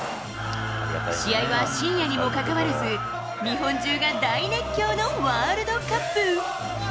試合は深夜にもかかわらず、日本中が大熱狂のワールドカップ。